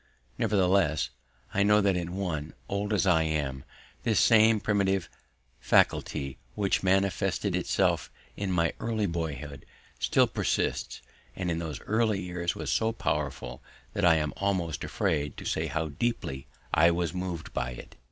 Nevertheless, I know that in me, old as I am, this same primitive faculty which manifested itself in my early boyhood, still persists, and in those early years was so powerful that I am almost afraid to say how deeply I was moved by it.